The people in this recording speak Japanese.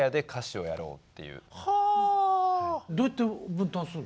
どうやって分担するの？